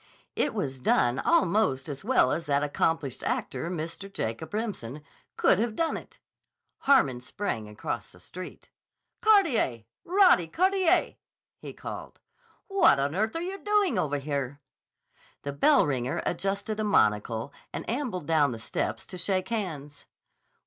It was done almost as well as that accomplished actor, Mr. Jacob Remsen, could have done it. Harmon sprang across the street. "Carteret! Roddy Carteret!" he called. "What on earth are you doing over here?" The bell ringer adjusted a monocle and ambled down the steps to shake hands.